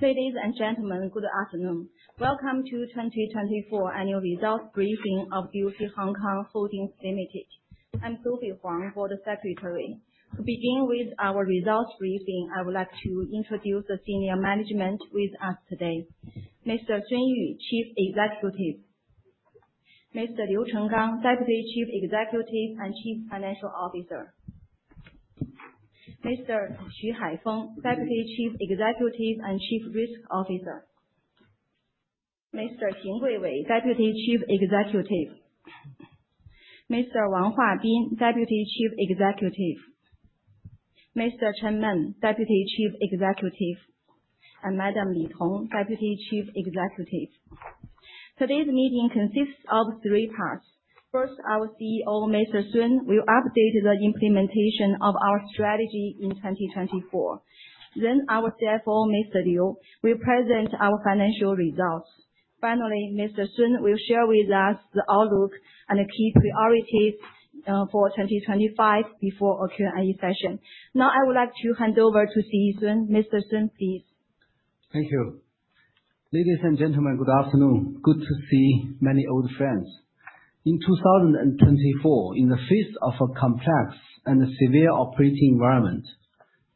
Ladies and gentlemen, good afternoon. Welcome to 2024 Annual Results Briefing of BOC Hong Kong Holdings Ltd. I'm Xuefei Huang, Board Secretary. To begin with our results briefing, I would like to introduce the senior management with us today. Mr. Chief Executive, Mr. Liu Chenggang, Deputy. Chief Executive and Chief Financial Officer, Mr. Xu Haifeng, Deputy Chief Executive and Chief. Risk Officer, Mr. Xing Guiwei, Deputy Chief Executive, Mr. Wang Huabin, Deputy Chief Executive, Mr. Chan Man, Deputy Chief Executive, and Madame Li Tong, Deputy Chief Executive. Today's meeting consists of three parts. First, our CEO Mr. Sun will update the implementation of our strategy in 2024. Our CFO Mr. Liu will present our financial results. Finally, Mr. Sun will share with us The outlook and the key priorities for 2025 before our Q&A session. Now I would like to hand over to CEO Sun. Mr. Sun, please. Thank you. Ladies and gentlemen, good afternoon. Good to see many old friends. In 2024, in the face of a complex and severe operating environment,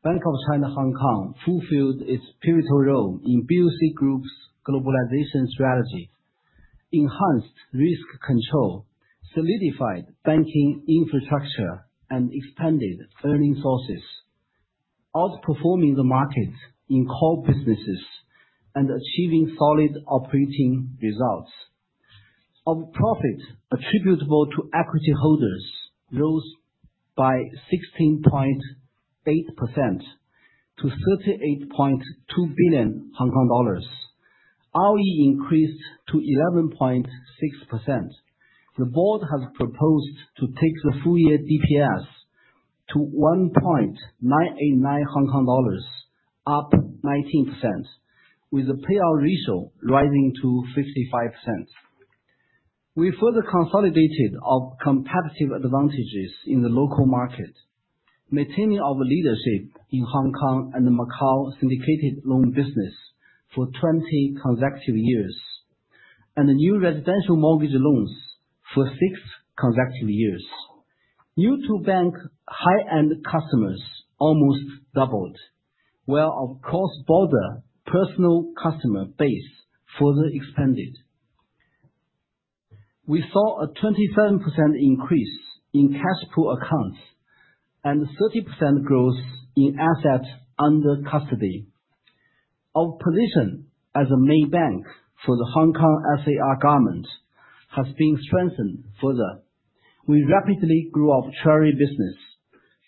Bank of China Hong Kong fulfilled its pivotal role in BOC Group's globalization strategy. Enhanced risk control, solidified banking infrastructure and expanded earning sources. Outperforming the market in core businesses and achieving solid operating results of profit attributable to equity holders rose by 16.8% to 38.2 billion Hong Kong dollars. ROE increased to 11.6%. The board has proposed to take the full year DPS to 1.989 Hong Kong dollars, up 19% with the payout ratio rising to 55%. We further consolidated our competitive advantages in the local market, maintaining our leadership in Hong Kong and Macau syndicated loan business for 20 consecutive years and new residential mortgage loans for six consecutive years. New-to-bank high-end customers almost doubled while our cross-border personal customer base further expanded. We saw a 27% increase in cash pool accounts and 30% growth in assets under custody. Our position as a main bank for the Hong Kong SAR Government has been strengthened further. We rapidly grew our treasury business,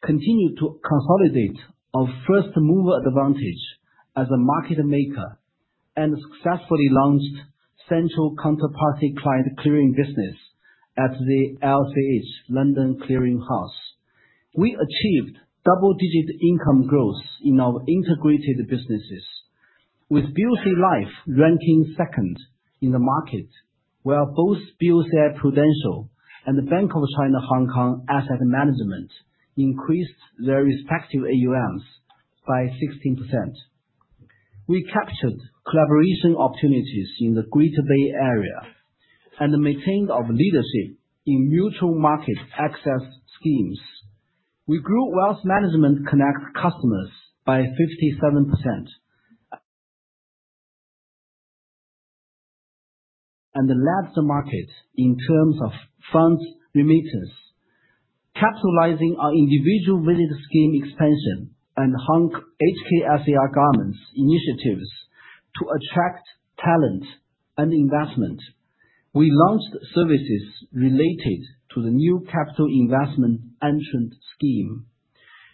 continued to consolidate our first mover advantage as a market maker and successfully launched central counterparty client clearing business at the LCH - London Clearing House. We achieved double-digit income growth in our integrated businesses with BOC Life ranking second in the market where both BOCI-Prudential and Bank of China (Hong Kong) Asset Management increased their respective AUMs by 16%. We captured collaboration opportunities in the Greater Bay Area and maintained our leadership in mutual market access schemes. We grew Wealth Management Connect customers by 57%. We led the market in terms of fund remittance, capitalizing on individual visit scheme expansion and Hong Kong SAR Government initiatives. To attract talent and investment, we launched services related to the New Capital Investment Entrant Scheme.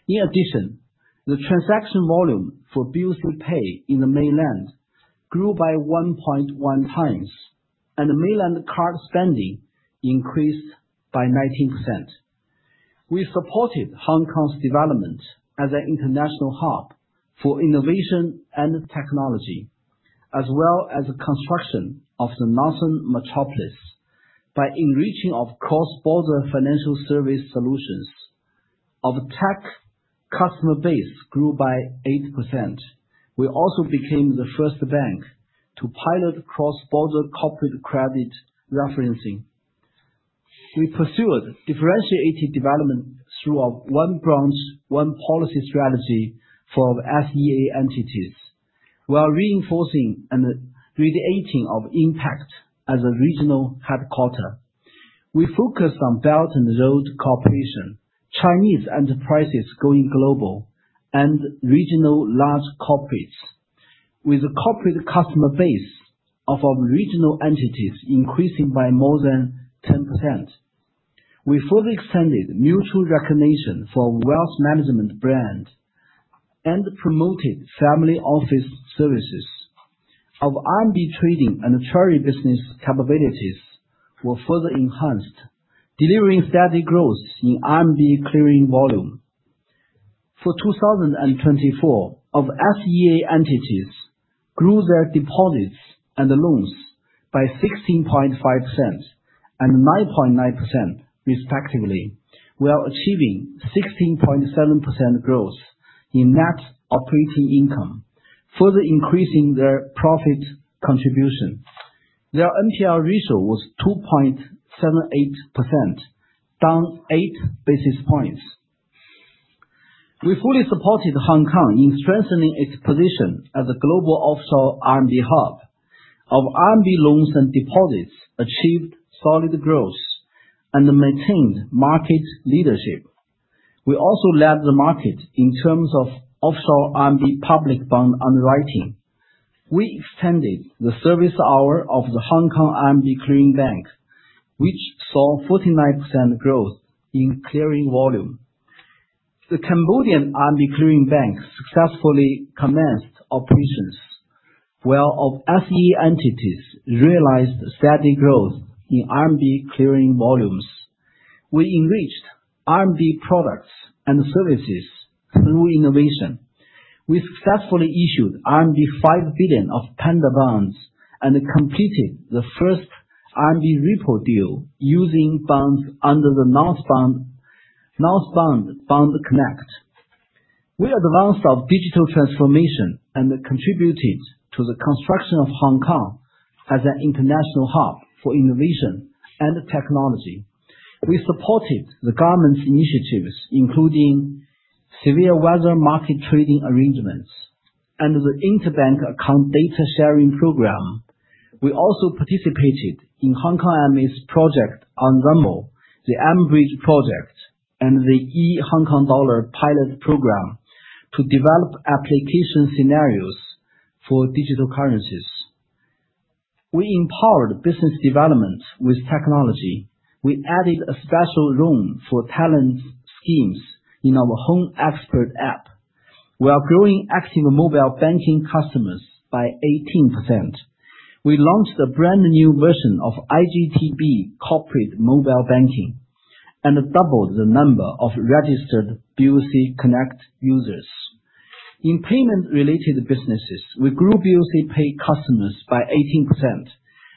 In addition, the transaction volume for BoC Pay in the Mainland grew by 1.1x and Mainland card spending increased by 19%. We supported Hong Kong's development as an international hub for innovation and technology as well as construction of the Northern Metropolis. By enriching our cross-border financial service solutions, our tech customer base grew by 8%. We also became the first bank to pilot cross-border corporate credit referencing. We pursued differentiated development through our "One Branch, One Policy" strategy for SEA entities while reinforcing and radiating our impact. As a regional headquarter, we focus on Belt and Road cooperation, Chinese enterprises going global, and regional large corporates. With the corporate customer base of our regional entities increasing by more than 10%, we further extended mutual recognition for wealth management brand and promoted family office services of RMB trading and charity business capabilities were further enhanced, delivering steady growth in RMB-clearing volume. For 2024, SEA entities grew their deposits and loans by 16.5% and 9.9% respectively, while achieving 16.7% growth in net operating income, further increasing their profit contribution. Their NPL ratio was 2.78%, down eight basis points. We fully supported Hong Kong in strengthening its position as a global offshore RMB hub. Our RMB loans and deposits achieved solid growth and maintained market leadership. We also led the market in terms of offshore RMB public bond underwriting. We extended the service hour of the Hong Kong RMB Clearing Bank, which saw 49% growth in clearing volume. The Cambodian RMB Clearing Bank successfully commenced operations. Well, all SEA entities realized steady growth in RMB clearing volumes. We enriched RMB products and services through innovation. We successfully issued RMB 5 billion of Panda bonds and completed the first RMB repo deal using bonds under the northbound Bond Connect. We advanced our digital transformation and contributed to the construction of Hong Kong as an international hub for innovation and technology. We supported the government's initiatives including severe weather market trading arrangements and the Interbank Account Data Sharing Program. We also participated in Hong Kong MA's project, the mBridge Project, and the e-Hong Kong Dollar pilot program to develop application scenarios for digital currencies. We empowered business development with technology. We added a special room for talent schemes in our Home Expert app while growing active mobile banking customers by 18%. We launched a brand new version of iGTB corporate mobile banking and doubled the number of registered BOC Connect users in payment-related businesses. We grew BoC Pay customers by 18%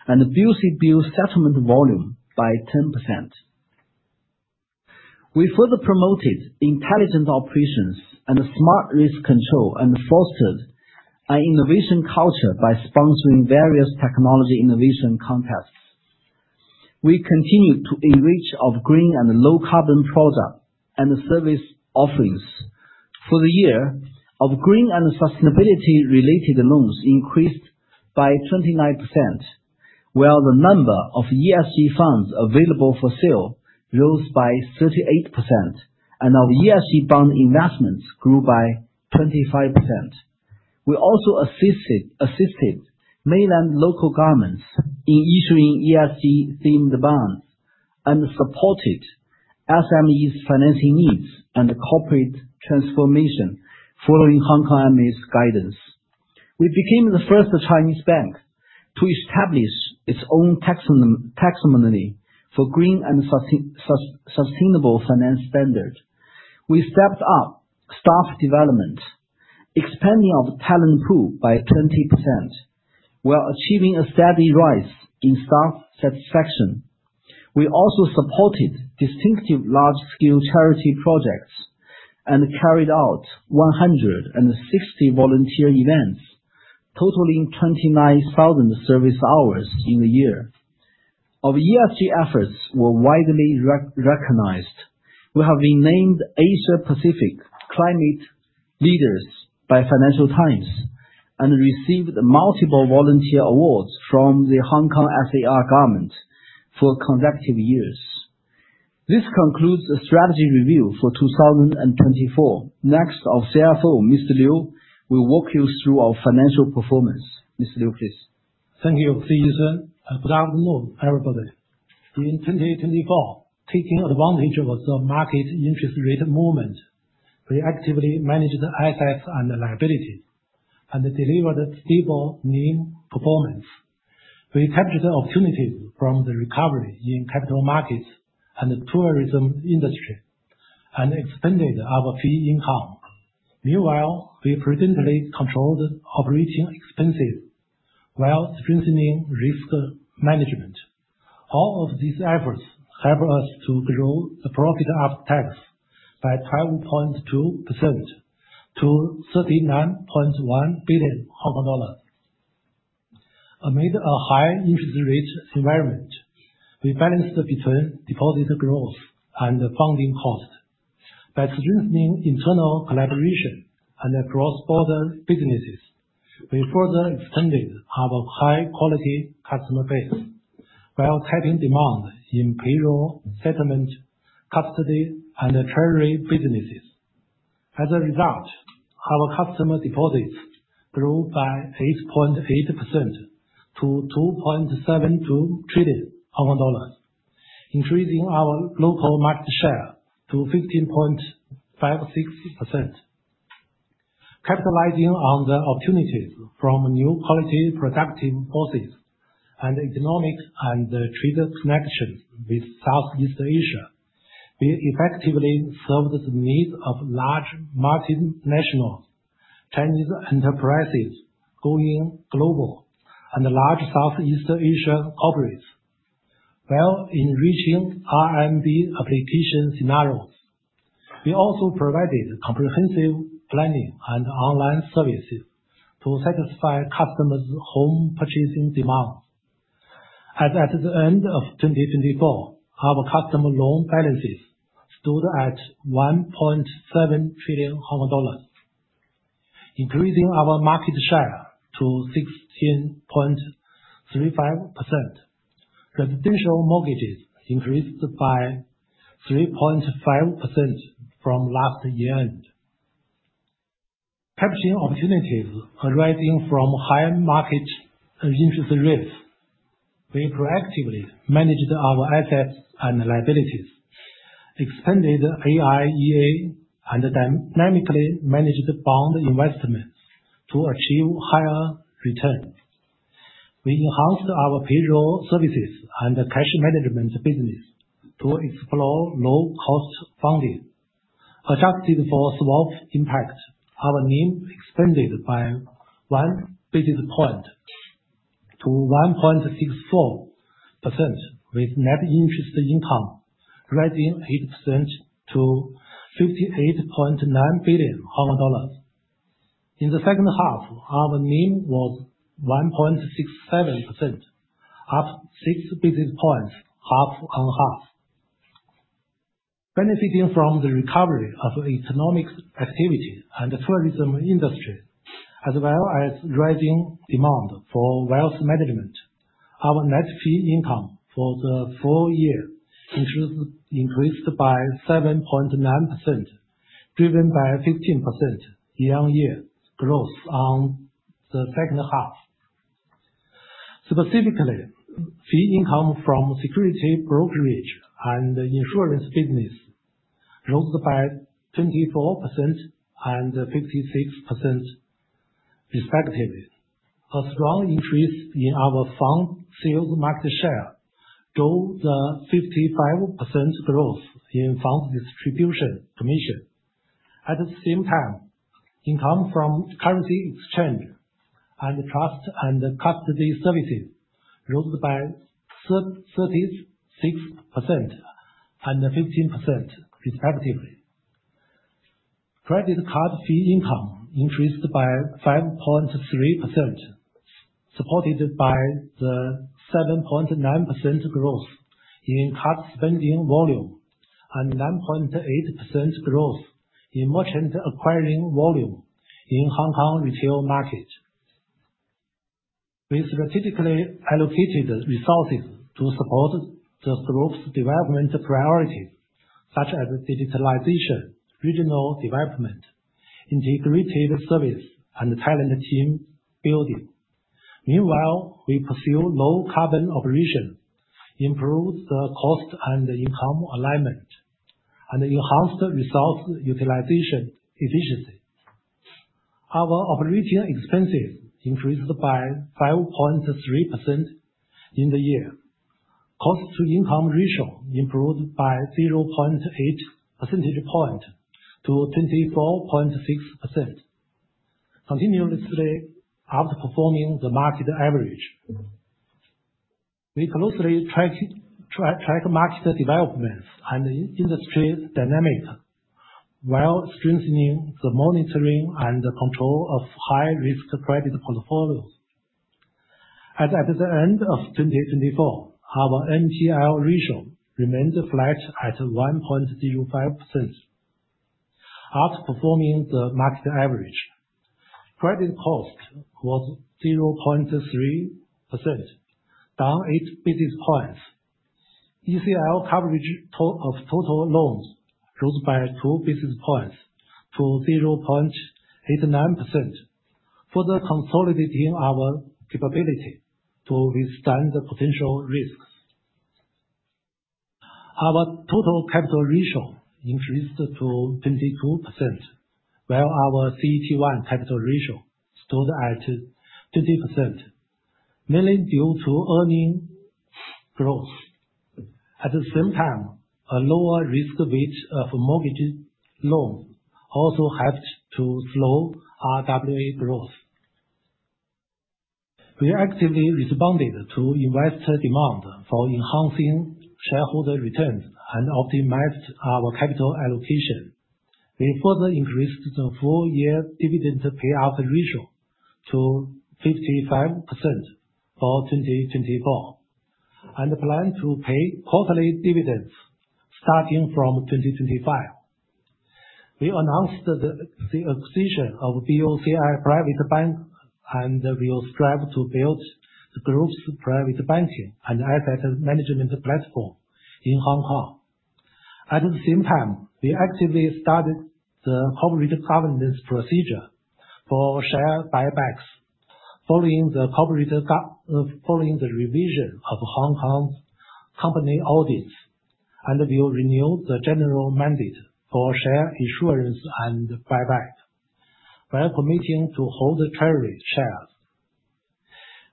and BoC Bill settlement volume by 10%. We further promoted intelligent operations and smart risk control and fostered an innovation culture by sponsoring various technology innovation contests. We continue to enrich green and low carbon products and service offerings. For the year, green and sustainability related loans increased by 29% while the number of ESG funds available for sale rose by 38% and our ESG bond investments grew by 25%. We also assisted Mainland local governments in issuing ESG themed bonds and supported SMEs financing needs and corporate transformation. Following Hong Kong MA's guidance, we became the first Chinese bank to establish its own taxonomy for green and sustainable finance standard. We stepped up staff development, expanding our talent pool by 20% while achieving a steady rise in staff satisfaction. We also supported distinctive large scale charity projects and carried out 160 volunteer events totaling 29,000 service hours in the year. Our ESG efforts were widely recognized. We have been named Asia-Pacific Climate Leaders by Financial Times and received multiple volunteer awards from the Hong Kong SAR Government for consecutive years. This concludes the strategy review for 2024. Next, our CFO, Mr. Liu will walk you through our financial performance. Ms. Liu, please. Thank you. Good afternoon everybody. In 2024, taking advantage of the market interest rate movement, we actively managed assets and liabilities and delivered stable NIM performance. We captured opportunities from the recovery in capital markets and the tourism industry and expanded our fee income. Meanwhile, we prudently controlled operating expenses while strengthening risk management. All of these efforts help us to grow the profit after tax by 12.2% to 39.1 billion dollars. Amid a high interest rate environment, we balanced between deposit growth and funding cost by strengthening internal collaboration and cross border businesses. We further extended our high quality customer base while tapping demand in payroll, settlement, custody and treasury businesses. As a result, our customer deposits grew by 8.8% to 2.72 trillion dollars, increasing our local market share to 15.56%. Capitalizing on the opportunities from new quality productive forces and economic and trade connections with Southeast Asia, we effectively serve the needs of large multinationals, Chinese enterprises, going global and large Southeast Asia corporates. While enriching RMB application scenarios, we also provided comprehensive planning and online services to satisfy customers' home purchasing demands. As at the end of 2024, our customer loan balances stood at 1.7 trillion Hong Kong dollars, increasing our market share to 16.35%. Residential mortgages increased by 3.5% from last year end, capturing opportunities arising from higher market interest rates. We proactively managed our assets and liabilities, expanded AIEA, and dynamically managed bond investments to achieve higher returns. We enhanced our payroll services and cash management business to explore low cost funding. Adjusted for swap impact, our NIM expanded by 1 basis point to 1.64% with net interest income rising 8% to 58.9 billion Hong Kong dollars. In the second half, our NIM was 1.67%, up 6 basis points half-on-half. Benefiting from the recovery of economic activity and tourism industry as well as rising demand for wealth management, our net fee income for the full year increased by 7.9%, driven by 15% year-on-year growth on the second half. Specifically, fee income from security brokerage and insurance business rose by 24% and 56% respectively. A strong increase in our fund sales market share got the 55% growth in fund distribution commission. At the same time, income from currency exchange and trust and custody services rose by 36% and 15% respectively. Credit card fee income increased by 5.3% supported by the 7.9% growth in card spending volume and 9.8% growth in merchant acquiring volume in Hong Kong retail market. We strategically allocated resources to support the group's development priorities such as digitalization, regional development, integrated service and talent team building. Meanwhile, we pursue low carbon operations, improved the cost and income alignment and enhanced resource utilization efficiency. Our operating expenses increased by 5.3% in the year. Cost-to-income ratio improved by 0.8 percentage point to 24.6%, continuously outperforming the market average. We closely track market developments and industry dynamics while strengthening the monitoring and control of high-risk credit portfolios. At the end of 2024, our NPL ratio remained flat at 1.05%, outperforming the market average. Credit cost was 0.3%, down 8 basis points. ECL coverage of total loans rose by 2 basis points to 0.89%, further consolidating our capability to withstand the potential risks. Our total capital ratio increased to 22% while our CET1 capital ratio stood at 20%, mainly due to earning growth. At the same time, a lower risk rate of mortgage loan also helped to slow RWA growth. We actively responded to investor demand for enhancing shareholder returns and optimized our capital allocation. We further increased the full year dividend payout ratio to 55% for 2024 and plan to pay quarterly dividends starting from 2025. We announced the acquisition of BOCI Private Bank and will strive to build the group's private banking and asset management platform in Hong Kong. At the same time, we actively started the corporate governance procedure for share buybacks following the revision of Hong Kong company audits, and we renew the general mandate for share issuance and buyback. While committing to hold treasury shares,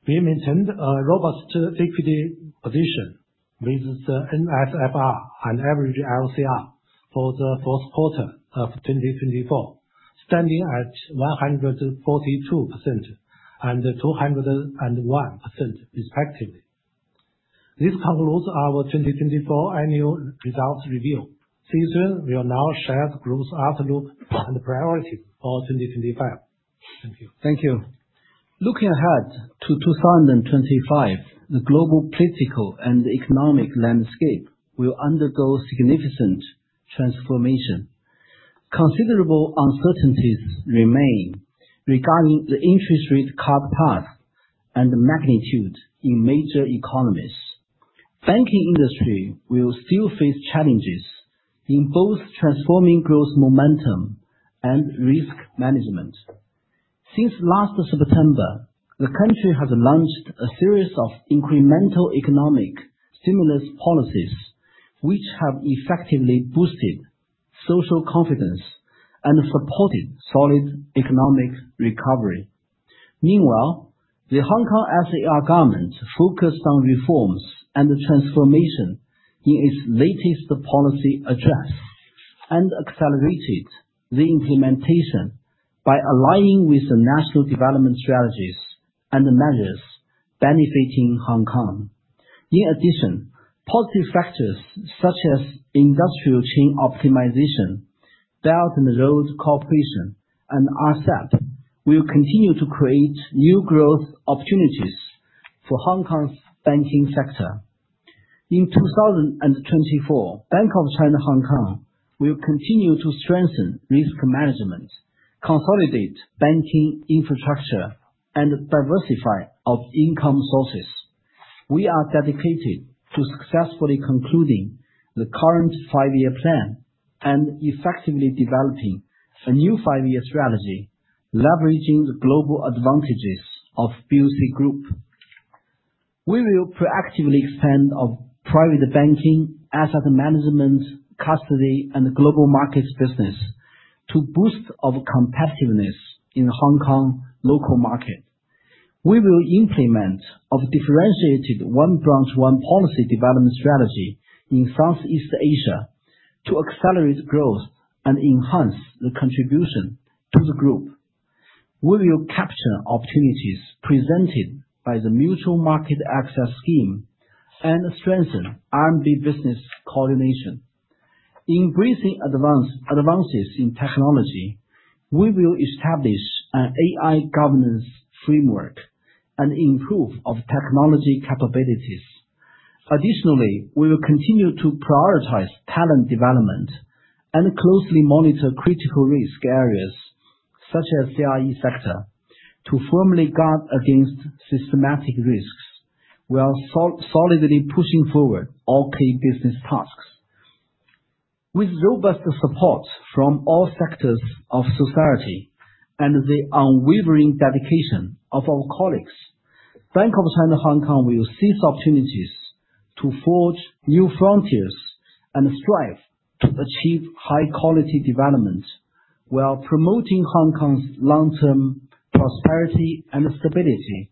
we maintained a robust equity position with the NSFR and average LCR for the fourth quarter of 2024 standing at 142% and 201% respectively. This concludes our 2024 annual results review. Yu will now share the Group's outlook and priorities for 2025. Thank you. Looking ahead to 2025, the global political and economic landscape will undergo significant transformation. Considerable uncertainties remain regarding the interest rate cut path and magnitude in major economies. Banking industry will still face challenges in both transforming growth momentum and risk management. Since last September, the country has launched a series of incremental economic stimulus policies which have effectively boosted social confidence and supported solid economic recovery. Meanwhile, the Hong Kong SAR government focused on reforms and the transformation in its latest policy address and accelerated the implementation by aligning with the national development strategies and the measures benefiting Hong Kong. In addition, positive factors such as industrial chain optimization, Belt and Road cooperation and RCEP will continue to create new growth opportunities for Hong Kong's banking sector in 2024. Hong Kong Bank of China (Hong Kong) will continue to strengthen risk management, consolidate banking infrastructure, and diversify income sources. We are dedicated to successfully concluding the current five-year plan and effectively developing a new five-year strategy leveraging the global advantages of BOC Group. We will proactively expand our private banking, asset management, custody, and global markets business to boost our competitiveness in the Hong Kong local market. We will implement a differentiated One Branch, One Policy development strategy in Southeast Asia to accelerate growth and enhance the contribution to the Group. We will capture opportunities presented by the Mutual Market Access Scheme and strengthen RMB business coordination. In bracing advances in technology, we will establish an AI governance framework and improve technology capabilities. Additionally, we will continue to prioritize talent development and closely monitor critical risk areas such as CIE sector to firmly guard against systematic risks while solidly pushing forward all key business tasks. With robust support from all sectors of society and the unwavering dedication of our colleagues, Bank of China (Hong Kong )will seize opportunities to forge new frontiers and strive to achieve high quality development while promoting Hong Kong's long term prosperity and stability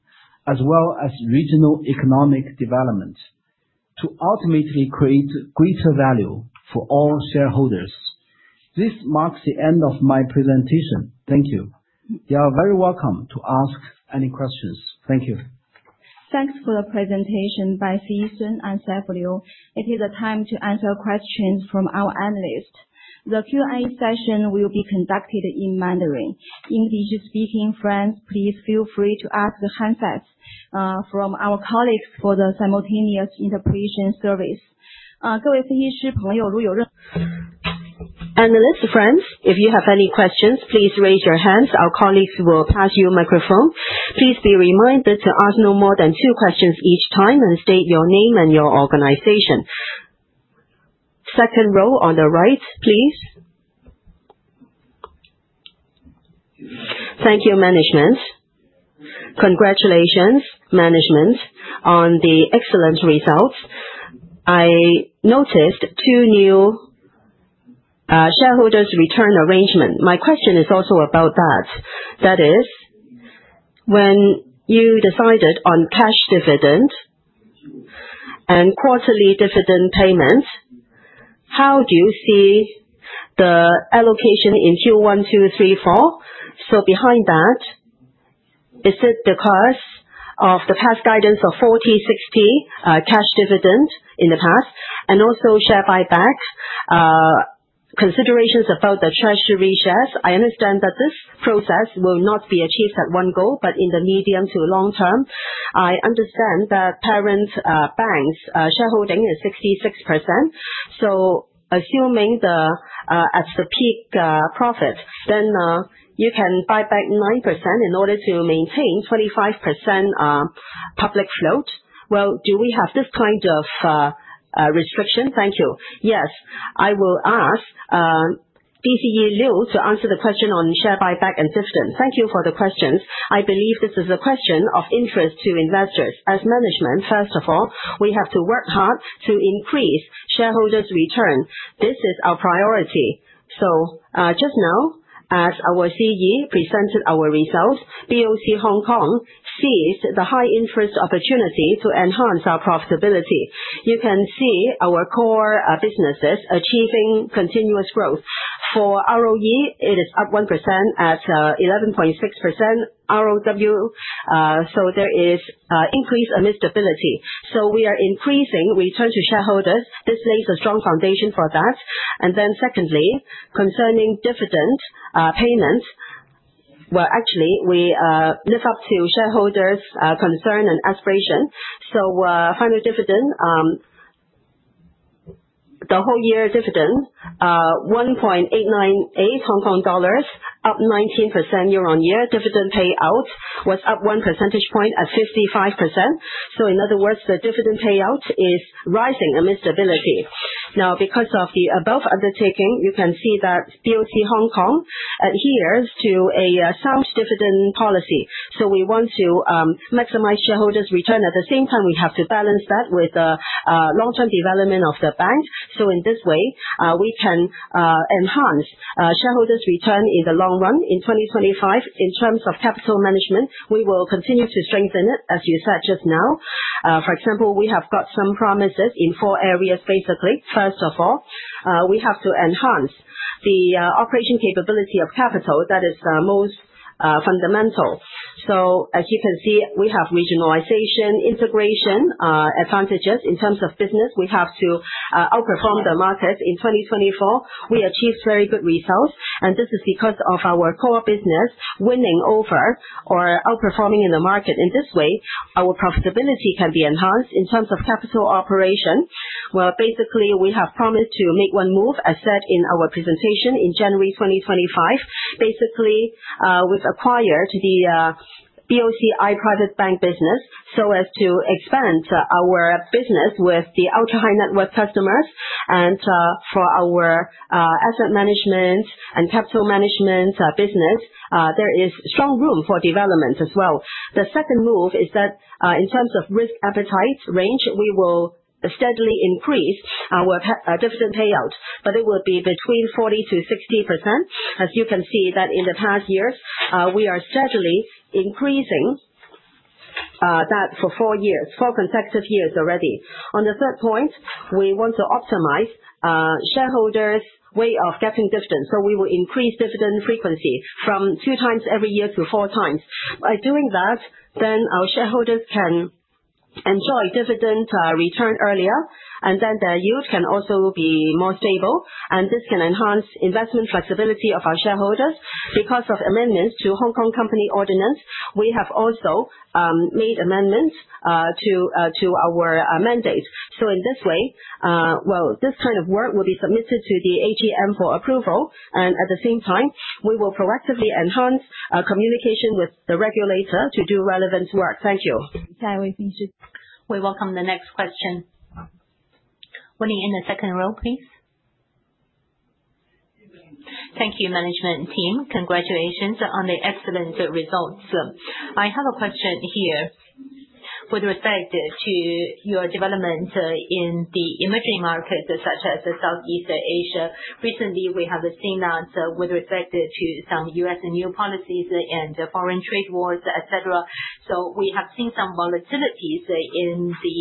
as well as regional economic development to ultimately create greater value for all shareholders. This marks the end of my presentation. Thank you. You are very welcome to ask any questions. Thank you. Thanks for the presentation by CEO Sun and CFO Liu. It is the time to answer questions from our analysts. The Q&A session will be conducted in Mandarin. English speaking friends, please feel free to ask the handsets from our colleagues for the simultaneous interpretation service. Analysts friends, if you have any questions, please raise your hands. Our colleagues will pass you the microphone. Please be reminded to ask no more than two questions each time and state your name and your organization. Second row on the right please. Thank you, management. Congratulations management on the excellent results. I noticed two new shareholders return arrangement. My question is also about that. That is when you decided on cash dividend and quarterly dividend payments, how do you see the allocation in Q1, Q2, Q3, Q4. Behind that Is it because of the past guidance of 40%-60% cash dividend in the past and also share buyback considerations about the treasury shares? I understand that this process will not be achieved at one goal, but in the medium to long term. I understand that parent bank's shareholding is 66%. Assuming at the peak profit, then you can buy back 9% in order to maintain 25% public float. Do we have this kind of restriction? Thank you. Yes. I will ask DCE Liu to answer the question on share buyback and dividend. Thank you for the questions. I believe this is a question of interest to investors management. First of all, we have to work hard to increase shareholders' return. This is our priority. Just now as our CEO presented our results, BOC Hong Kong seized the high interest opportunity to enhance our profitability. You can see our core businesses achieving continuous growth. For ROE, it is up 1% at 11.6% ROE. There is increase and instability. We are increasing return to shareholders. This lays a strong foundation for that. Secondly, concerning dividend payments, actually we live up to shareholders' concern and aspiration. Final dividend. The whole year dividend. 1.898 Hong Kong dollars up 19% year-on-year. Dividend payout was up 1 percentage point at 55%. In other words, the dividend payout is rising amid stability. Now, because of the above undertaking, you can see that BOC Hong Kong adheres to a sound dividend policy. We want to maximize shareholders' return. At the same time, we have to balance that with the long term development of the bank. In this way we can enhance shareholders' return in the long run in 2025. In terms of capital management, we will continue to strengthen it. As you said just now, for example, we have got some promises in four areas. Basically, first of all, we have to enhance the operating capability of capital. That is most fundamental. As you can see, we have regionalization integration advantages. In terms of business, we have to outperform the market. In 2024 we achieved very good results and this is because of our core business winning over or outperforming in the market. In this way our profitability can be enhanced in terms of capital operation. Basically we have promised to make one move. As said in our presentation in January 2025, basically we've acquired the BOCI Private Bank business so as to expand our business with the ultra high net worth customers. And for our asset management and capital management business, there is strong room for development as well. The second move is that in terms of risk appetite range, we will steadily increase our dividend payout but it will be between 40%-60%. As you can see that in the past years we are steadily increasing that for four years, four consecutive years already. On the third point, we want to optimize shareholders way of getting dividends. We will increase dividend frequency from 2x every year to 4x. By doing that, our shareholders can enjoy dividend return earlier and their yield can also be more stable and this can enhance investment flexibility of our shareholders. Because of amendments to Hong Kong Company Ordinance, we have also made amendments to our mandate. In this way, this kind of work will be submitted to the AGM for approval and at the same time we will proactively enhance communication with the regulator to do relevant work. Thank you. We welcome the next question. Winning in the second row please. Thank you, management team. Congratulations on the excellent results. I have a question here. With respect to your development in the emerging market such as the Southeast Asia, recently we have seen that with respect to some U.S. new policies and foreign trade wars, etc. We have seen some volatility in the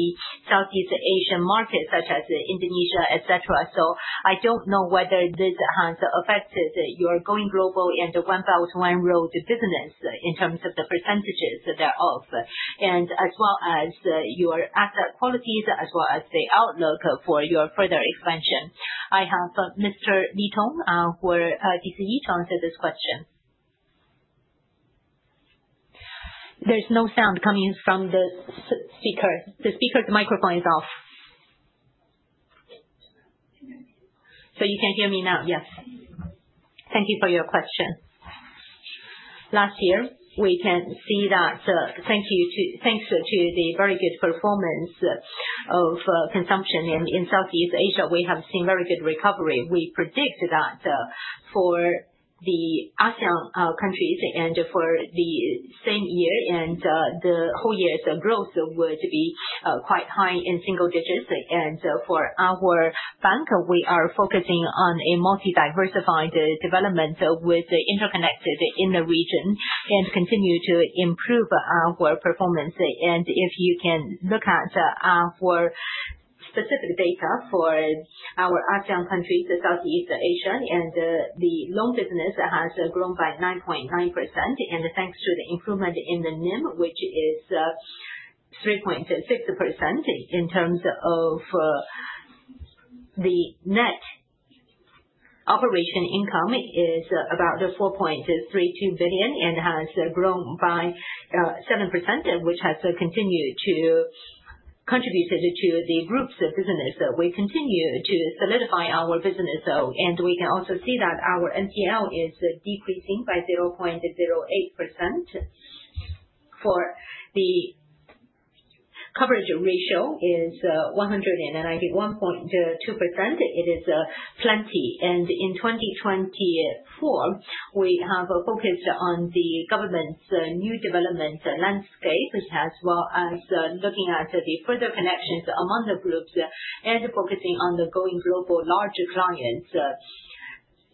Southeast Asian market such as Indonesia, et cetera. I do not know whether this has affected your going global and Belt and Road business in terms of the percentages thereof and as well as your asset qualities as well as the outlook for your further expansion. I have Mr. Li Tong for DCE to answer this question. There is no sound coming from the speaker. The speaker's microphone is off. You can hear me now. Yes. Thank you for your question. Last year we can see that thanks to the very good performance of consumption in Southeast Asia, we have seen very good recovery. We predict that for the ASEAN countries and for the same year and the whole year's growth would be quite high in single-digits. For our bank we are focusing on a multi diversified development with interconnected in the region and continue to improve our performance. If you can look at our for specific data for our ASEAN countries Southeast Asia and the loan business has grown by 9.9% and thanks to the improvement in the NIM which is 3.6% in terms of the net operation income is about 4.32 billion and has grown by 7% which has continued to contributed to the group's business. We continue to solidify our business and we can also see that our NPL is decreasing by 0.08% for the coverage ratio is 191.2%. It is plenty and in 2024 we have focused on the government's new development landscape as well as looking at the further connections among the groups and focusing on the going global larger clients.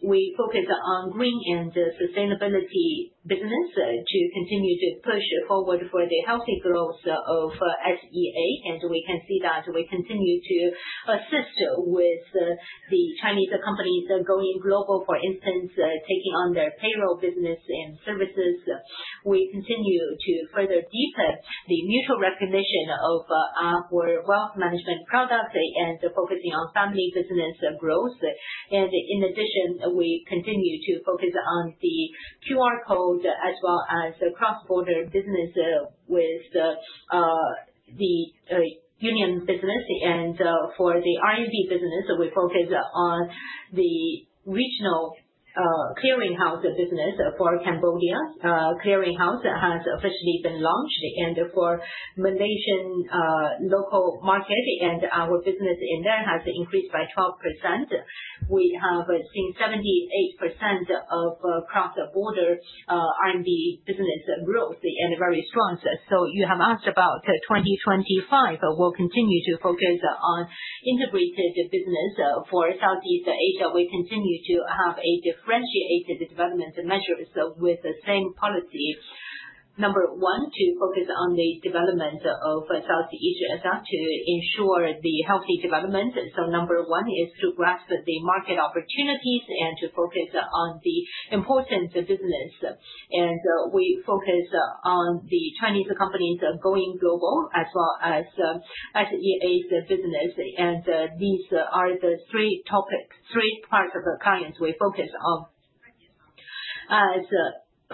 We focus on green and sustainability business to continue to push forward for the healthy growth of SEA and we can see that we continue to assist with the Chinese companies going global for instance taking on their payroll business and services. We continue to further deepen the mutual recognition of our wealth management products and focusing on family business growth. In addition, we continue to focus on the QR code as well as cross-border business with the union business, and for the RMB business we focus on the regional clearing house business. For Cambodia, clearing house has officially been launched, and for the Malaysian local market, our business in there has increased by 12%. We have seen 78% of cross-border RMB business growth and very strong. You have asked about 2025. We will continue to focus on integrated business for Southeast Asia. We continue to have differentiated development measures with the same policy. Number one, to focus on the development of Southeast Asia to ensure the healthy development. Number one is to grasp the market opportunities and to focus on the importance of business, and we focus on the Chinese companies going global as well as SEA's business. These are the three topics, three parts of the clients we focus on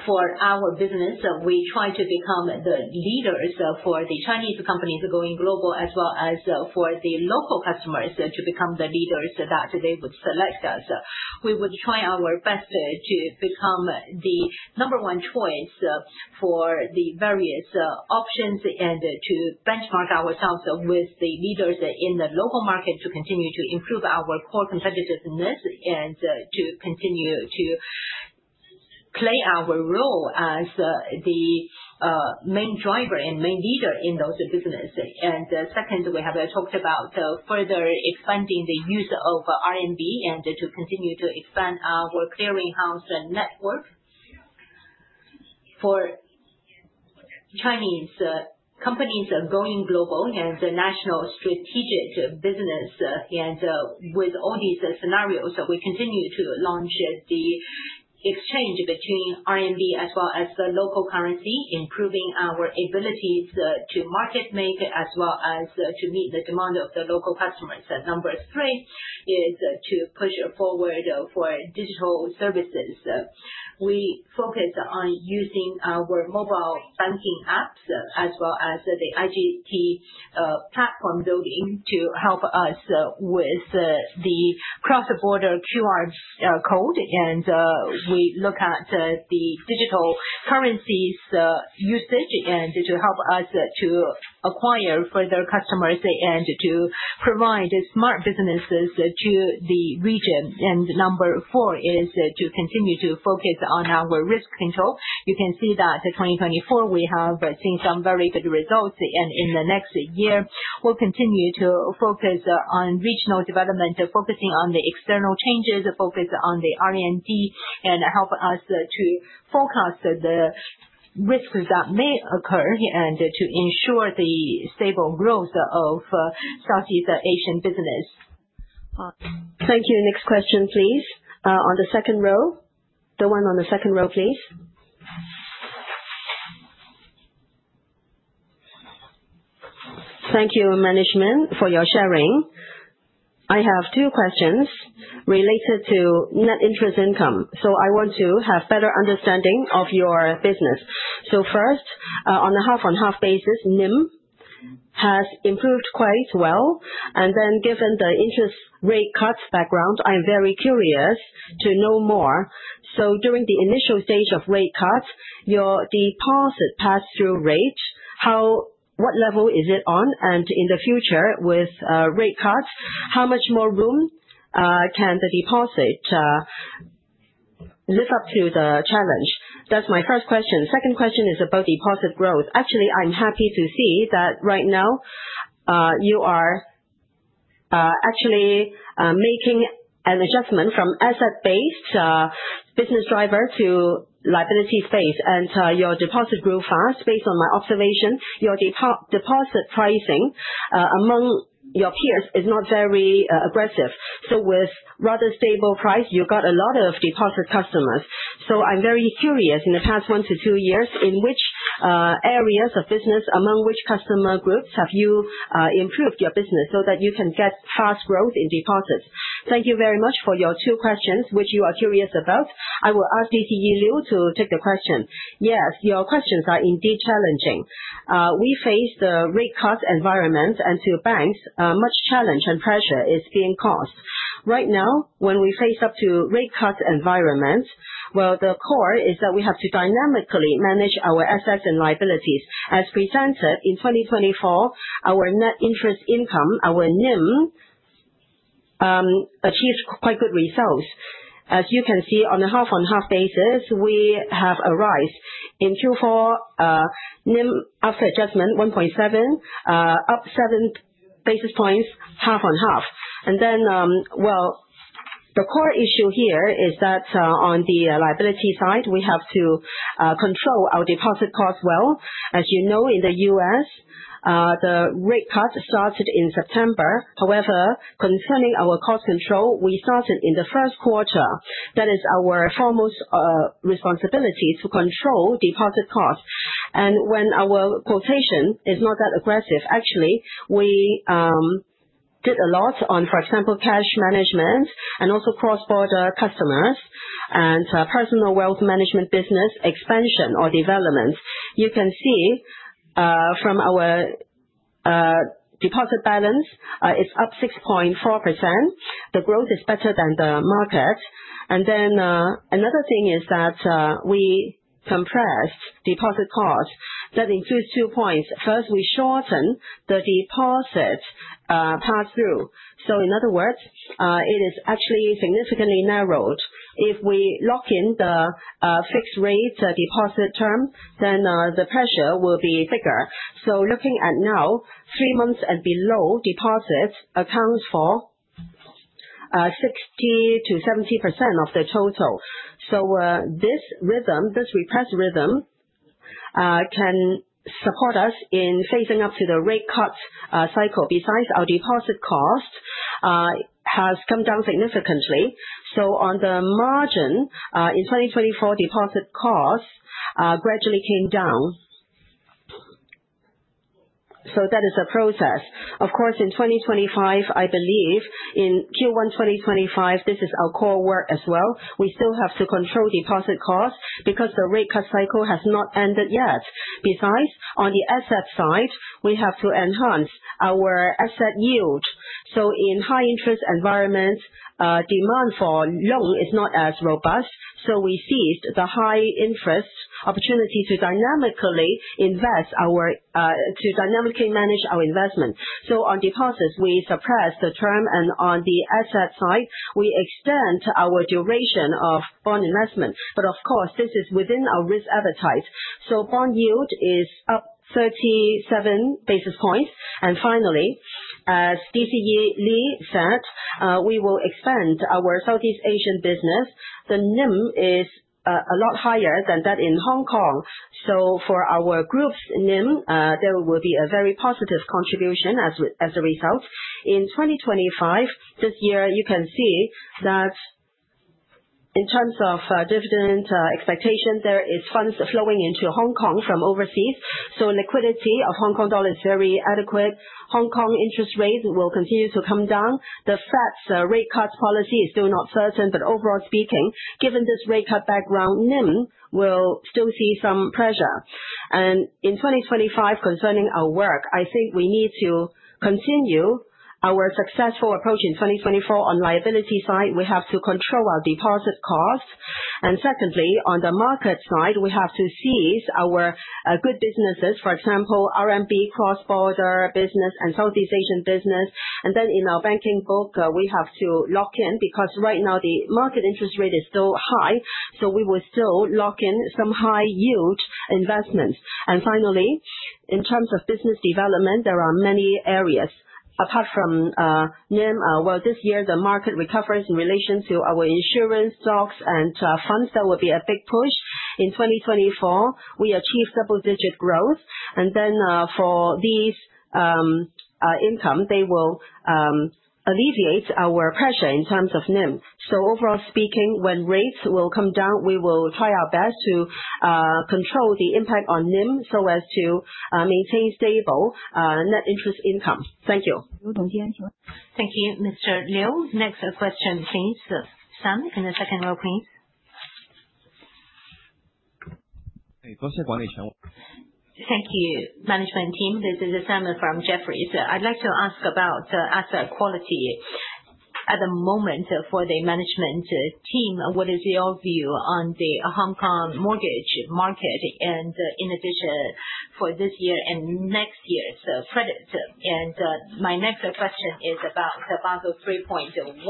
for our business. We try to become the leaders for the Chinese companies going global as well as for the local customers to become the leaders that they would select us. We would try our best to become the number one choice for the various options and to benchmark ourselves with the leaders in the local market to continue to improve our core competitiveness and to continue to play our role as the main driver and main leader in those business. Second, we have talked about further expanding the use of RMB and to continue to expand our clearing house network for Chinese companies going global and national strategic business. With all these scenarios, we continue to launch the exchange between RMB as well as the local currency, improving our abilities to market make as well as to meet the demand of the local currency customers. Number three is to push forward for digital services. We focus on using our mobile banking apps as well as the iGP platform building to help us with the cross-border QR code and we look at the digital currencies usage and to help us to acquire further customers and to provide smart businesses to the region. Number four is to continue to focus on our risk control. You can see that 2024 we have seen some very good results. In the next year we'll continue to focus on regional development, focusing on the external changes, focus on the RMB and help us to forecast the risks that may occur and to ensure the stable growth of Southeast Asian business. Thank you. Next question please. On the second row. The one on the second row please. Thank you management for your sharing. I have two questions related to net interest income, so I want to have better understanding of your business. First, on a half-on-half basis, NIM has improved quite well. Given the interest rate cut background, I'm very curious to know more. During the initial stage of rate cut, your deposit pass through rate, what level is it on? In the future with rate cut, how much more room can the deposit live up to the challenge? That's my first question. Second question is about deposit growth. Actually I'm happy to see that right now you are actually making an adjustment from asset based business driver to liabilities based and your deposit grew fast. Based on my observation, your deposit pricing among your peers is not very aggressive. With rather stable price, you got a lot of deposit customers. I'm very curious, in the past one to two years, in which areas of business, among which customer groups have you improved your business so that you can get fast growth in deposits? Thank you very much for your two questions which you are curious about. I will ask DCE Liu to take the question. Yes, your questions are indeed challenging. We face the rate cut environment, and to banks, much challenge and pressure is being caused right now when we face up to rate cut environment. The core is that we have To dynamically manage our assets and liabilities as presented in 2024, our net interest income, our NIM achieves quite good results. As you can see on a half-on-half basis we have a rise in Q4 NIM after adjustment 1.7 up 7 basis points, half-on-half. The core issue here is that on the liability side, we have to control our deposit cost. As you know, in the U.S. the rate cut started in September. However, concerning our cost control, we started in the first quarter. That is our foremost responsibility, to control deposit cost. When our quotation is not that aggressive. Actually we did a lot on for example cash management and also cross border customers and personal wealth management, business expansion or development. You can see from our deposit balance, it's up 6.4%. The growth is better than the market. Another thing is that we compressed deposit cost. That includes two points. First, we shorten the deposit pass through. In other words, it is actually significantly narrowed. If we lock in the fixed rate deposit term, then the pressure will be bigger. Looking at now, three months and below deposits account for 60%-70% of the total. This rhythm, this repress rhythm can support us in phasing up to the rate cut cycle. Besides, our deposit cost has come down significantly. On the margin in 2024, deposit costs gradually came down. That is a process. Of course, in 2025, I believe in Q1 2025, this is our core work as well. We still have to control deposit costs because the rate cut cycle has not ended yet. Besides, on the asset side, we have to enhance our asset yield. In high interest environment, demand for loan is not as robust. We seized the high interest rate opportunity to dynamically manage our investment. On deposits we suppress the term and on the asset side, we extend our duration of bond investment. Of course this is within our risk appetite. Bond yield is up 37 basis points. Finally, as DCE Li said, we will expand our Southeast Asian business. The NIM is a lot higher than that in Hong Kong. For our group's NIM, there will be a very positive contribution. As a result, in 2025 this year, you can see that in terms of dividend expectation, there is funds flowing into Hong Kong from overseas. Liquidity of Hong Kong dollar is very adequate. Hong Kong interest rates will continue to come down. The Fed's rate cut policy is still not certain. Overall speaking, given this rate cut background, NIM will still see some pressure. In 2025, concerning our work, I think we need to continue our successful approach. In 2024, on the liability side, we have to control our deposit costs. Secondly, on the market side, we have to seize our good businesses. For example, RMB cross-border business and Southeast Asian business. In our banking book, we have to lock in. Right now the market interest rate is still high, so we will still lock in some high yield investments. Finally, in terms of business development, there are many areas apart from NIM. This year the market recovers in relation to our insurance stocks and funds. That will be a big push. In 2024 we achieved double-digit growth. For these income, they will alleviate our pressure in terms of NIM. Overall speaking, when rates will come down, we will try our best to control the impact on NIM so as to maintain stable net interest income. Thank you. Thank you, Mr. Liu. Next question please stand in the second row please. Thank you. Management team, this is a Sam Wong from Jefferies. I'd like to ask about asset quality at the moment for the management team, what is your view on the Hong Kong mortgage market? In addition for this year and next year's credit. My next question is about Basel 3.1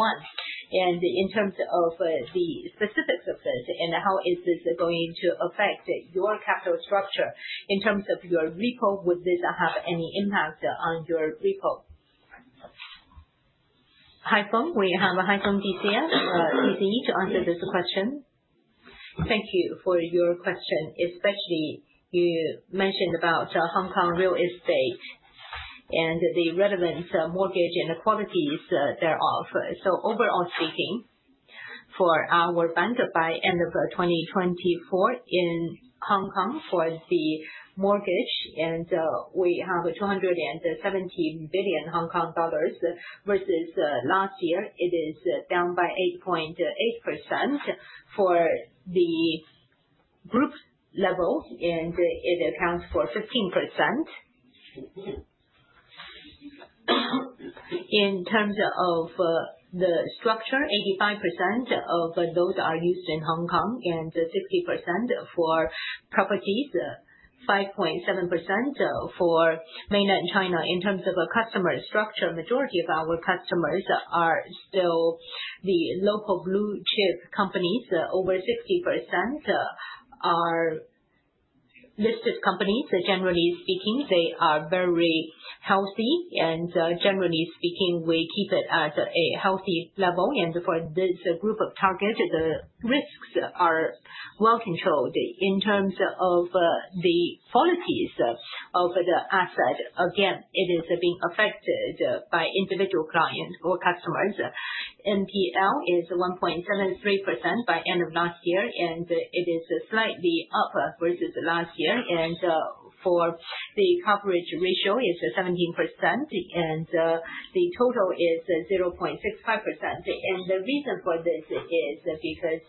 and in terms of the specifics of this and how is this going to affect your capital structure in terms of your repo, would this have any impact on your repo? Haifeng, we have Haifeng DCE to answer this question. Thank you for your question. Especially you mentioned about Hong Kong real estate and the relevant mortgage inequalities thereof. Overall, speaking for our bank, by end of 2024 in Hong Kong for the mortgage and we have 270 billion Hong Kong dollars versus last year, it is down by 8.8% for the group level and it accounts for 15%. In terms of the structure, 85% of those are used in Hong Kong and 60% for properties, 5.7% for Mainland China. In terms of a customer structure, majority of our customers are still the local blue chip companies. Over 60% are listed companies. Generally speaking, they are very healthy. Generally speaking we keep it at a healthy level. For this group of target, the risks are well controlled in terms of the qualities of the asset. Again, it is being affected by individual clients or customers. NPL is 1.73% by end of last year and it is slightly up versus last year. For the coverage ratio, it is 17% and the total is 0.65%. The reason for this is because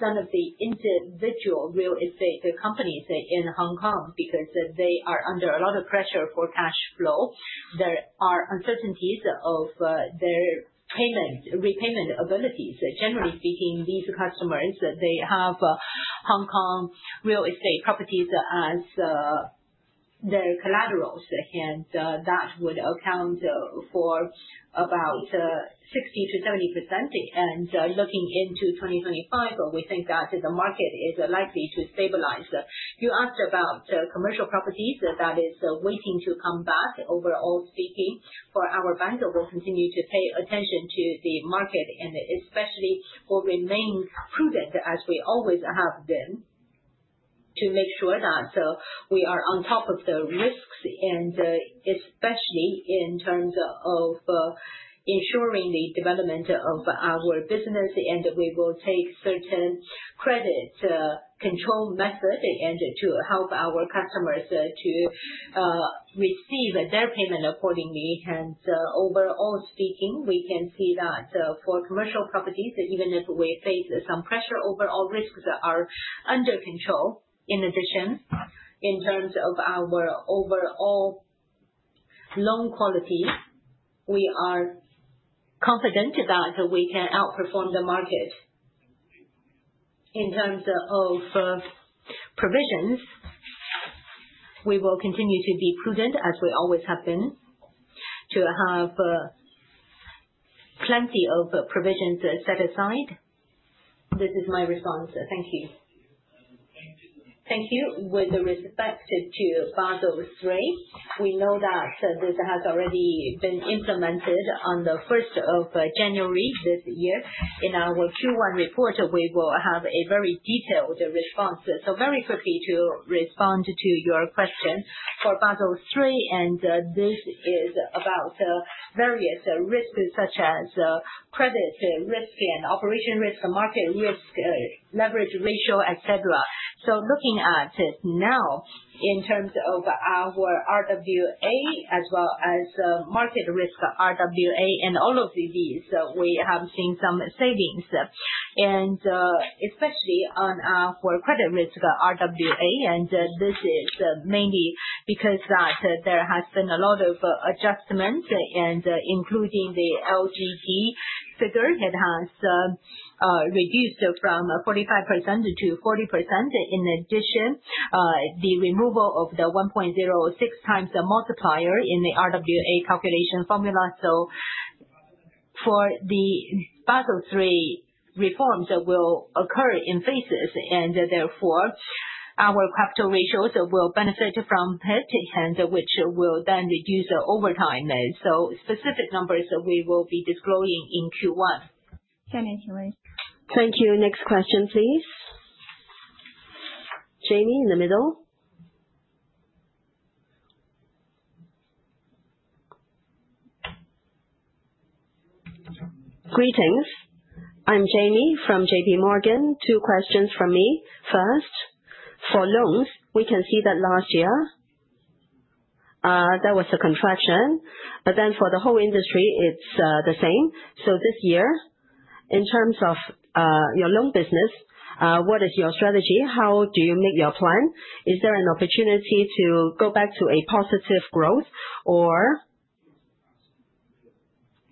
some of the individual real estate companies in Hong Kong, because they are under a lot of pressure for cash flow, there are uncertainties of their payment repayment abilities. Generally speaking, these customers, they have Hong Kong real estate properties as their collaterals and that would account for about 60%-70%. Looking into 2025, we think that the market is likely to see stabilize. You asked about commercial properties that is waiting to come back. Overall speaking for our bank, we will continue to pay attention to the market and especially will remain prudent, as we always have been, to make sure that we are on top of the risks and especially in terms of ensuring the development of our business. We will take certain credit control method to help our customers to receive their payment accordingly. Overall speaking, we can see that for commercial properties, even if we face some pressure, overall risks are under control. In addition, in terms of our overall loan quality, we are confident that we can outperform the market in terms of provisions. We will continue to be prudent, as we always have been, to have Plenty. Of provisions set aside. This is my response. Thank you. Thank you. With respect to Basel III, we know that this has already been implemented on the 1st of January this year. In our Q1 report, we will have a very detailed response. Very quickly to respond to your question for Basel III, this is about various risks such as credit risk and operation risk, market risk, leverage ratio excess. Looking at it now in terms of our RWA as well as market risk RWA and all of these, we have seen some savings and especially on our credit risk RWA. This is mainly because there have been a lot of adjustments, including the LGB figure, it has reduced from 45% to 40%. In addition, the removal of the 1.06x multiplier in the RWA calculation formula. For the Basel III reforms will occur in phases and therefore our capital ratios will benefit from PIT and which will then reduce over time. Specific numbers that we will be disclosing in Q1. Thank you. Next question please. Jamie in the middle. Greetings. I'm Jamie from JPMorgan. Two questions from me. First, for loans we can see that last year that was a contraction. For the whole industry it's the same. This year in terms of your loan business, what is your strategy? How do you make your plan? Is there an opportunity to go back to a positive growth or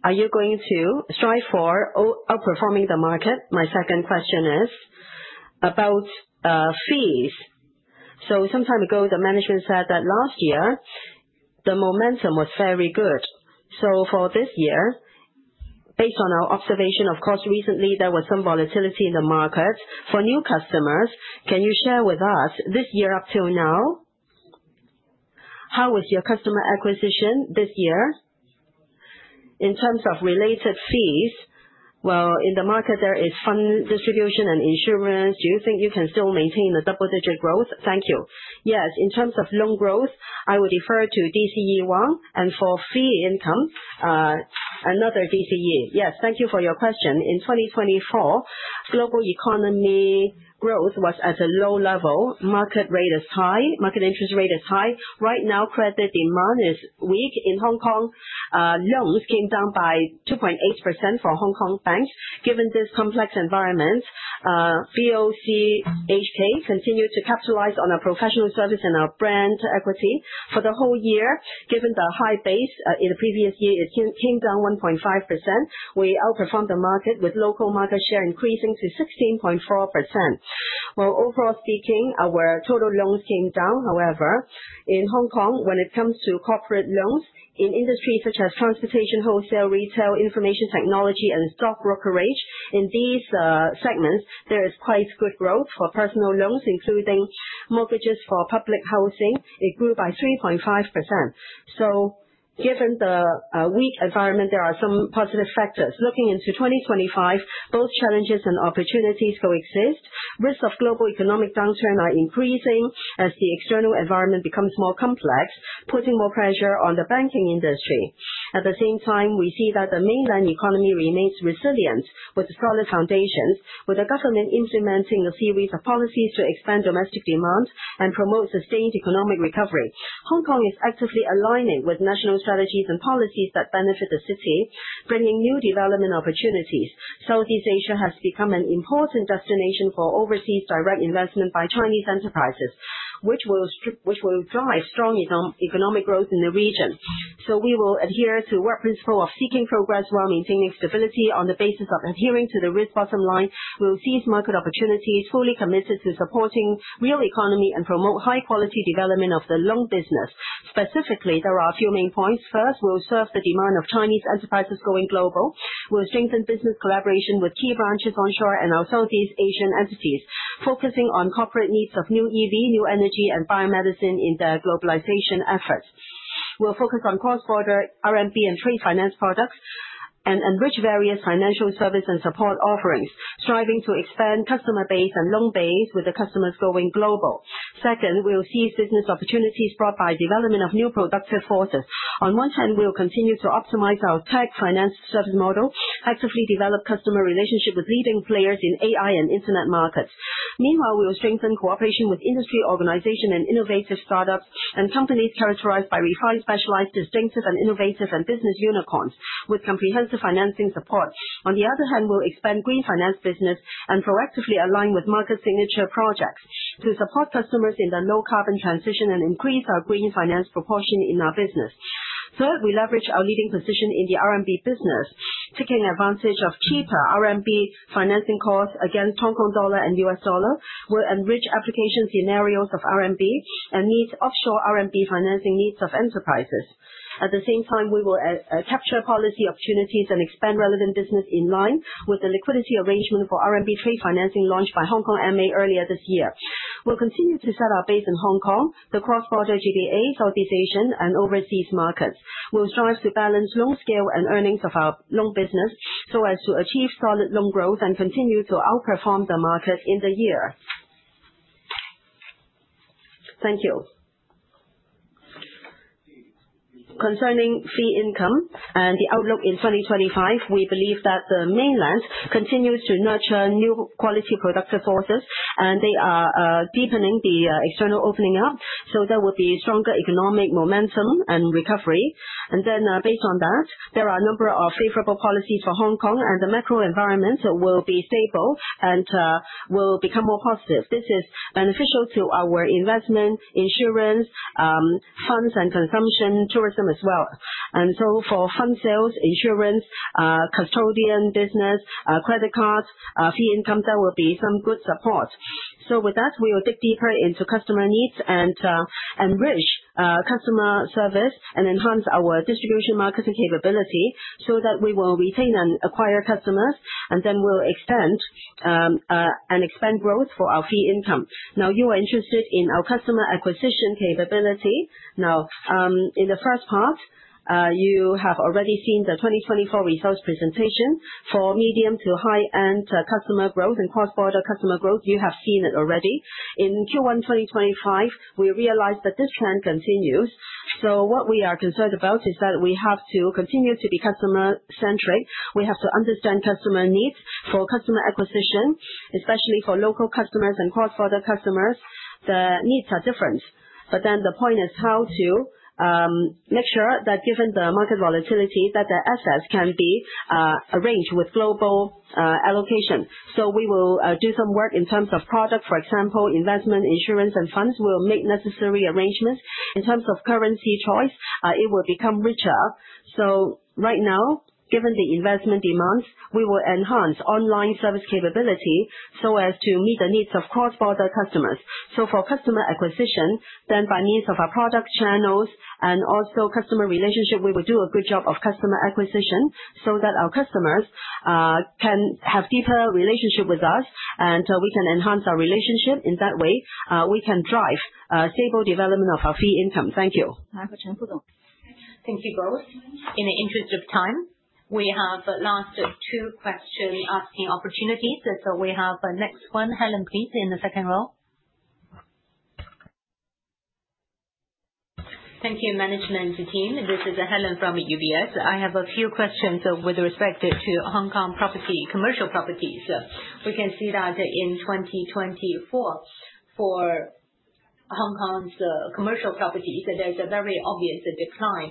are you Going to strive for outperforming the market? My second question is about fees. Some time ago the management said that last year the momentum was very good. For this year, based on our observation, of course, recently there was some volatility in the market for new customers. Can you share with us this year up till now, how was your customer acquisition this year in terms of related fees? In the market there is fund distribution and insurance. Do you think you can still maintain the double-digit growth? Thank you. Yes. In terms of loan growth, I would defer to DCE Wang and for fee income, another DCE? Yes, thank you for your question. In 2024, global economy growth was at a low level. Market rate is high, market interest rate is high. Right now, credit demand is weak. In Hong Kong, loans came down by 2.8% for Hong Kong banks. Given this complex environment, BOCHK continued to capitalize on our professional service and our brand equity for the whole year. Given the high base in the previous year, it came down 1.5%. We outperformed the market with local market share increasing to 16.4%. Overall speaking, our total loans came down. However, in Hong Kong, when it comes to corporate loans in industries such as transportation, wholesale, retail, information technology and stock brokerage, in these segments, there is quite good growth for personal loans, including mortgages. For public housing, it grew by 3.5%. Given the weak environment, there are some positive factors. Looking into 2025, both challenges and opportunities coexist. Risks of global economic downturn are increasing as the external environment becomes more complex, putting more pressure on the banking industry. At the same time, we see that the mainland economy remains resilient with solid foundations. With the government implementing a series of policies to expand domestic demand and promote sustained economic recovery. Hong Kong is actively aligning with national strategies and policies that benefit the city. Bringing new development opportunities to Southeast Asia has become an important destination for overseas direct investment by Chinese enterprises which will drive strong economic growth in the region. We will adhere to work principle of seeking progress while maintaining stability on the basis of adhering to the risk. Bottom line, we will seize market opportunities fully committed to supporting real economy and promote high quality development of the loan business. Specifically, there are a few main points. First, we'll serve the demand of Chinese enterprises going global. We'll strengthen business collaboration with key branches onshore and our Southeast Asian entities, focusing. On corporate needs of new EV, new Energy and biomedicine in their globalization efforts. We'll focus on cross-border RMB and trade finance products and enrich various financial service and support offerings, striving to expand customer base and loan base with the customers going global. Second, we will seize business opportunities brought by development of new productive forces. On one hand, we will continue to optimize our tech finance service model, actively develop customer relationship with leading players in AI and Internet markets. Meanwhile, we will strengthen cooperation with industry organization and innovative startups and companies characterized by refined, specialized, distinctive and innovative and business unicorns with comprehensive financing support. On the other hand, we'll expand green finance business and proactively align with market signature projects to support customers in the low carbon transition and increase our green finance proportion in our business. Third, we leverage our leading position in the RMB business. Taking advantage of cheaper RMB financing costs against Hong Kong dollar and US dollar will enrich application scenarios of RMB and meet offshore RMB financing needs of enterprises. At the same time, we will capture policy opportunities and expand relevant business. In line with the liquidity arrangement for RMB trade financing launched by Hong Kong MA earlier this year, we'll continue to set our base in Hong Kong. The cross-border GBA Southeast Asian and overseas markets will strive to balance loan scale and earnings of our loan business so as to achieve solid loan growth and continue to outperform the market in the year. Thank you. Concerning fee income and the outlook in 2025, we believe that the mainland continues to nurture new quality productive forces and they are deepening the external opening up. There will be stronger economic momentum and recovery. Then based on that, there are a number of favorable policies for Hong Kong and the macro environment will be stable and will become more positive. This is beneficial to our investment insurance funds and consumption tourism as well. For fund sales, insurance, custodian, business credit cards, fee income, that would be some good support. With that, we will dig deeper into customer needs and enrich customer service and enhance our distribution marketing capability so that we will retain and acquire customers and then we will expand and expand growth for our fee income. Now you are interested in our customer acquisition capability. In the first part, you have already seen the 2024 results presentation for medium to high end customer growth and cross border customer growth. You have seen it already. In Q1 2025, we realized that this trend continues. What we are concerned about is that we have to continue to be customer centric. We have to understand customer needs. For customer acquisition, especially for local customers and cross border customers, the needs are different. The point is how to make sure that given the market volatility that the assets can be arranged with global allocation. We will do some work in terms of product. For example, investment insurance and funds will make necessary arrangements in terms of currency choice, it will become richer. Right now, given the investment demands, we will enhance online service capability so as to meet the needs of cross border customers. For customer acquisition then by means of our product channels and also customer relationship, we will do a good job of customer acquisition so that our customers can have deeper relationship with us and we can enhance our relationship. In that way, we can drive stable development of our fee income. Thank you. Thank you both. In the interest of time, we have last two question asking opportunities. We have next one, Helen please, in the second row. Thank you. Management team, this is Helen from UBS. I have a few questions with respect to Hong Kong property commercial properties. We can see that in 2024 for Hong Kong's commercial properties there is a very obvious decline.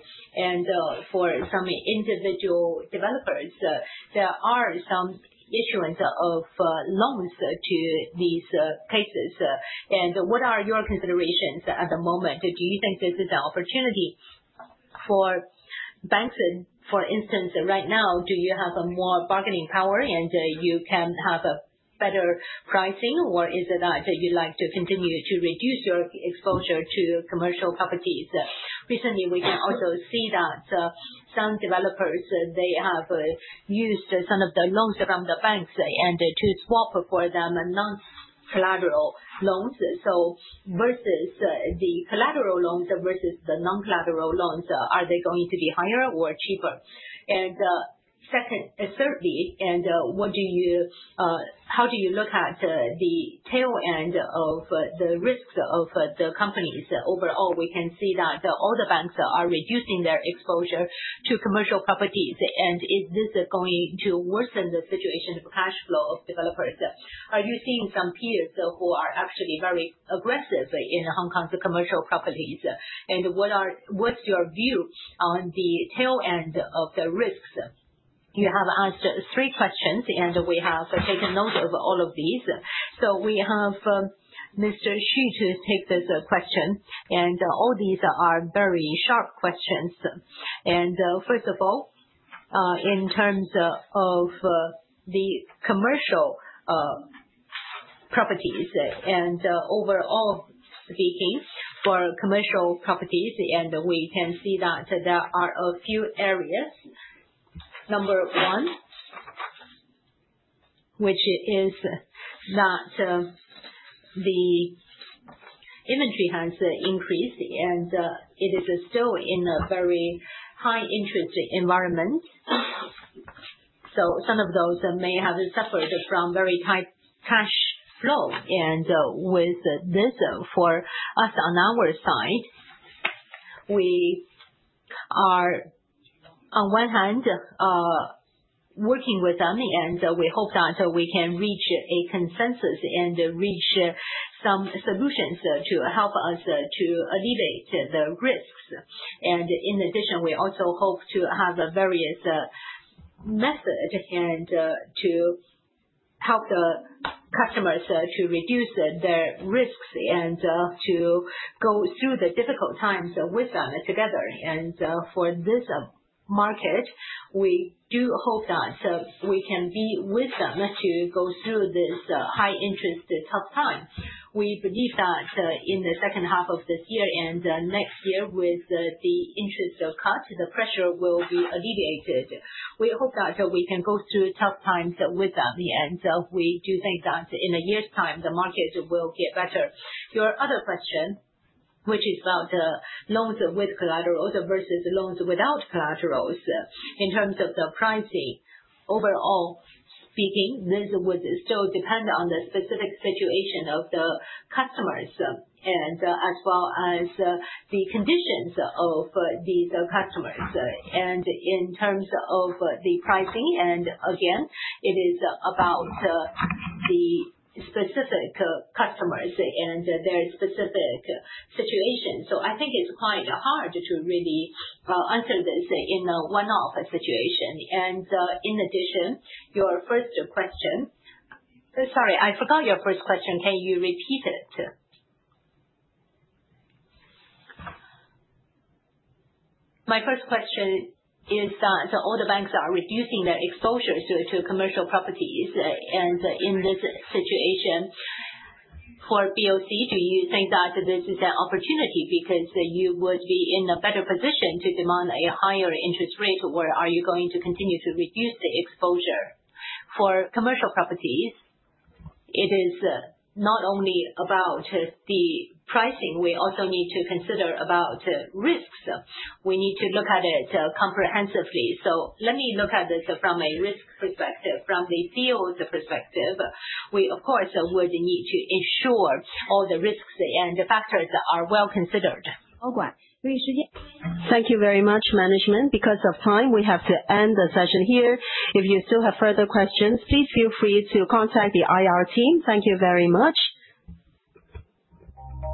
For some individual developers there are some issuance of loans to these places. What are your considerations at the moment? Do you think this is the opportunity for banks? For instance, right now, do you have more bargaining power and you can have a better pricing or is it that you'd like to continue to reduce your exposure to commercial properties? Recently we can also see that some developers, they have used some of the loans from the banks to swap for their non-collateral loans. Versus the collateral loans versus the non-collateral loans, are they going to be higher or cheaper? Thirdly, how do you look at the tail end of the risks of the companies? Overall, we can see that all the banks are reducing their exposure to commercial properties. Is this going to worsen the situation of cash flow of developers? Are you seeing some peers who are actually very aggressive in Hong Kong's commercial properties? What's your view on the tail end of the risk? You have asked three questions and we have taken note of all of these. We have Mr. Xu to take this question and all these are very sharp questions. First of all, in terms of the commercial properties and overall, speaking for commercial properties, we can see that there are a few areas. Number one, the inventory has increased and it is still in a very high interest environment. Some of those may have suffered from very tight cash flow. With this, for us on our side, we are on one hand working with them and we hope that we can reach a consensus and reach some solutions to help us to alleviate the risks. In addition, we also hope to have various methods to help the customers to reduce their risks and to go through the difficult times with them together. For this market, we do hope that we can be with them to go through this high interest tough time. We believe that in the second half of this year and next year with the interest cut, the pressure will be alleviated. We hope that we can go through tough times with them and we do think that in a year's time the market will get better. Your other question, which is about loans with collaterals versus loans without collaterals in terms of the pricing overall speaking, this would still depend on the specific situation of the customers and as well as the conditions of these customers and in terms of the pricing. Again, it is about the specific customers and their specific situation. I think it's quite hard to really answer this in a one off situation. In addition, your first question. Sorry, I forgot your first question. Can you repeat it? My first question is all the banks are reducing their exposures to commercial properties and in this situation for BOCHK, do you think that this is an opportunity because you would be in a better position to demand a higher interest rate or are you going to continue to reduce the exposure for commercial properties? It is not only about the pricing. We also need to consider risks. We need to look at it comprehensively. Let me look at this from a risk perspective. From the field perspective, we of course would need to ensure all the risks and factors are well considered. Thank you very much, management. Because of time, we have to end the session here. If you still have further questions, please feel free to contact the IR team. Thank you very much.